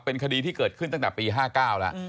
เป็นคดีที่เกิดขึ้นตั้งแต่ปี๕๙แล้ว